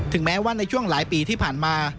แม้ว่าในช่วงหลายปีที่ผ่านมา